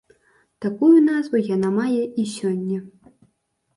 Такую назву яна мае і сёння.